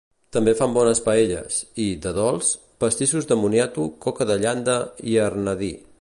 També fan bones paelles i, de dolç, pastissos de moniato, coca en llanda i arnadí.